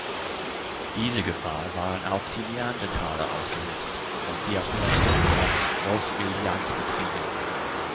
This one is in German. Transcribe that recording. Dieser Gefahr waren auch die Neandertaler ausgesetzt, wenn sie aus nächster Nähe Großwildjagd betrieben.